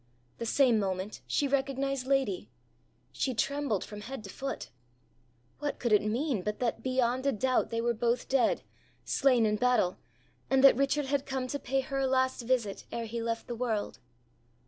The same moment she recognised Lady. She trembled from head to foot. What could it mean but that beyond a doubt they were both dead, slain in battle, and that Richard had come to pay her a last visit ere he left the world.